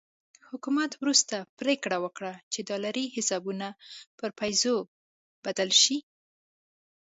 حکومت وروسته پرېکړه وکړه چې ډالري حسابونه پر پیزو بدل شي.